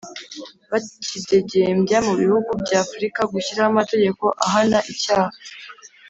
Bakidegembya mu bihugu by afurika gushyiraho amategeko ahana icyaha